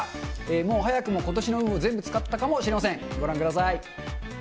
もう早くもことしの運を全部使ったかもしれません。